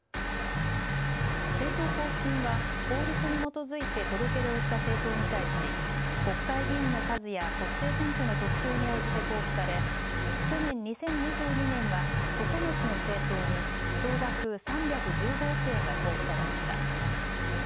政党交付金は法律に基づいて届け出をした政党に対し国会議員の数や国政選挙の得票に応じて交付され、去年２０２２年は９つの政党に総額３１５億円が交付されました。